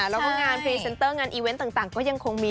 แล้วก็งานพรีเซนเตอร์งานอีเวนต์ต่างก็ยังคงมี